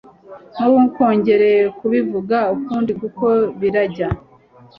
Ntukongere kubivuga ukundi kuko birajya.